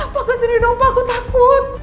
pak kesini dong pak aku takut